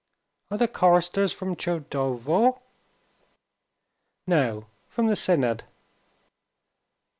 '" "Are the choristers from Tchudovo?" "No, from the Synod."